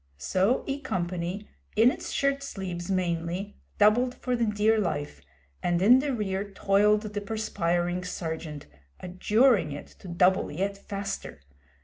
So E Company, in its shirt sleeves mainly, doubled for the dear life, and in the rear toiled the perspiring Sergeant, adjuring it to double yet faster.